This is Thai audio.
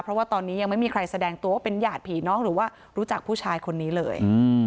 เพราะว่าตอนนี้ยังไม่มีใครแสดงตัวว่าเป็นหยาดผีน้องหรือว่ารู้จักผู้ชายคนนี้เลย